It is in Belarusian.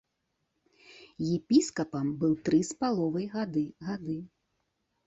Епіскапам быў тры з паловай гады гады.